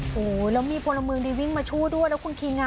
โอ้โหแล้วมีพลเมืองดีวิ่งมาช่วยด้วยแล้วคุณคิงอ่ะ